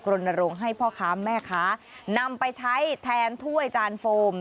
รณรงค์ให้พ่อค้าแม่ค้านำไปใช้แทนถ้วยจานโฟม